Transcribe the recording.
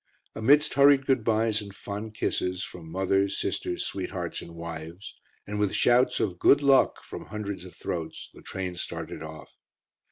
Amidst hurried good byes and fond kisses from mothers, sisters, sweethearts and wives, and with shouts of good luck from hundreds of throats, the train started off.